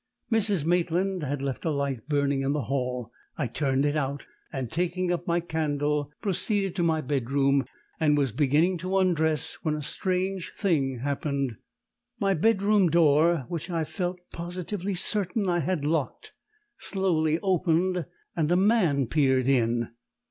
Mrs. Maitland had left a light burning in the hall. I turned it out, and taking up my candle proceeded to my bedroom and was beginning to undress when a strange thing happened. My bedroom door (which I felt positively certain I had locked) slowly opened and a man peered in.